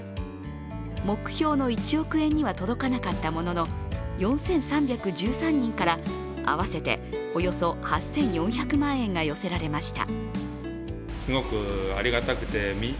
目標の１億円には届かなかったものの４３１３人から合わせておよそ８４００万円が寄せられました。